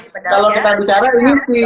kalau kita bicara ini sih